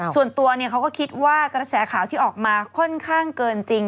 ส่วนตัวเขาก็คิดว่ากระแสข่าวที่ออกมาค่อนข้างเกินจริง